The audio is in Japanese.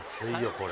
これ。